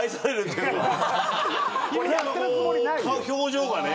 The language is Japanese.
表情がね。